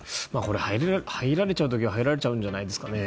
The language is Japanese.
入られちゃう時は入られちゃうんじゃないんですかね。